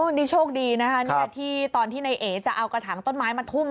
นี่โชคดีนะคะที่ตอนที่ในเอ๋จะเอากระถางต้นไม้มาทุ่ม